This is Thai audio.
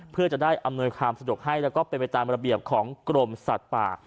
เพื่อจะได้อำนวยความสะดวกให้แล้วก็เป็นไปตามระเบียบของกรมสัตว์ป่า